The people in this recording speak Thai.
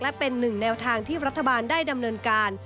และเป็นหนึ่งแนวทางที่รัฐบาลได้ดำเนินการ